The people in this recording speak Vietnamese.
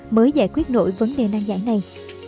mới giải quyết nổi vấn đề năng giải này